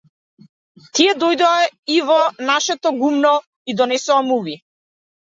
Тие дојдоа и во нашето гумно и донесоа муви.